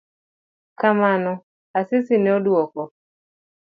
Kamano, Asisi ne oduoko